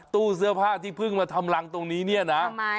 ตู้เสื้อผ้าที่เพิ่งมาทำรังตรงนี้เนี่ยนะ